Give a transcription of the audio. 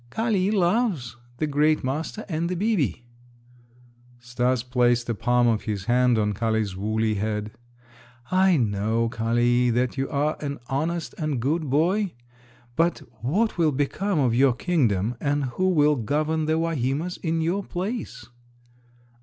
"Kali loves the great master and the 'bibi'." Stas placed the palm of his hand on Kali's woolly head. "I know, Kali, that you are an honest and good boy. But what will become of your kingdom and who will govern the Wahimas in your place?"